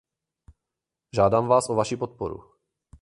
Žádám vás o vaši podporu.